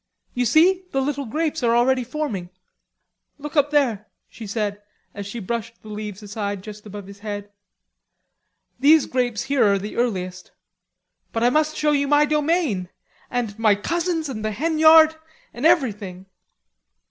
"You see, the little grapes are already forming.... Look up there," she said as she brushed the leaves aside just above his head. "These grapes here are the earliest; but I must show you my domain, and my cousins and the hen yard and everything."